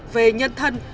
về nhân thân